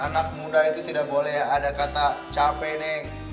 anak muda itu tidak boleh ada kata capek nih